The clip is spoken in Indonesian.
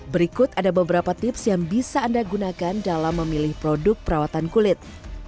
berikut ada beberapa tips yang bisa anda gunakan dalam memilih produk perawatan kulit